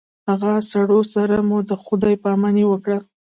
هغه سړو سره مو د خداے په اماني وکړه